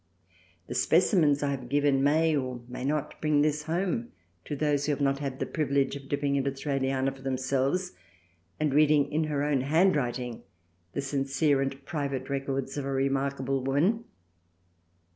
The specimens I have given may or may not bring this home to those who have not had the privilege of dipping into Thraliana for themselves and reading in her own handwriting the sincere and private records of a remarkable woman.